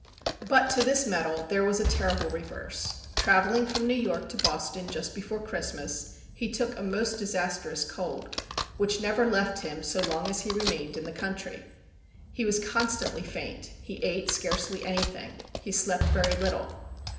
But to this medal there was a terrible reverse. Travelling from New York to Boston just before Christmas, he took a most disastrous cold, which never left him so long as he remained in the country. He was constantly faint. He ate scarcely anything. He slept very little.